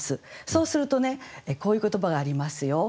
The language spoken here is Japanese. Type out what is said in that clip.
そうするとねこういう言葉がありますよ。